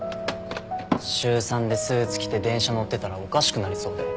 週３でスーツ着て電車乗ってたらおかしくなりそうで。